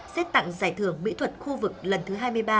xét tặng giải thưởng mỹ thuật khu vực lần thứ hai mươi ba